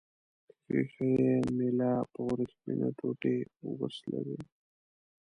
ښيښه یي میله په وریښمینه ټوټې وسولوئ.